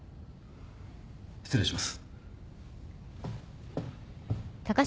失礼します。